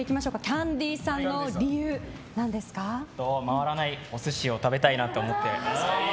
きゃんでぃーさんの理由回らないお寿司を食べたいなと思って。